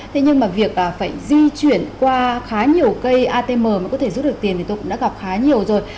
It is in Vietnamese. thế nhưng mà việc phải di chuyển qua khá nhiều cây atm mà có thể rút được tiền thì tôi cũng đã gặp khá nhiều rồi